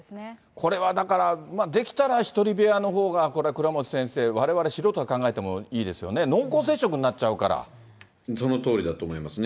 これはだから、できたら一人部屋のほうが、これは倉持先生、われわれ、素人が考えてもいいですよね、そのとおりだと思いますね。